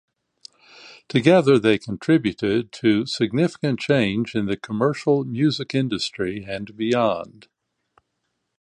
Together, they contributed to significant change in the commercial music industry and beyond.